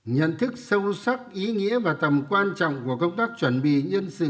nhận thức sâu sắc ý nghĩa và tầm quan trọng của công tác chuẩn bị nhân sự